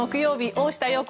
「大下容子